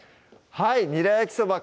はい「ニラ焼きそば」